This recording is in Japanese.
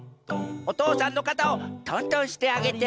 おとうさんのかたをとんとんしてあげて。